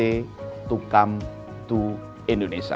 untuk datang ke indonesia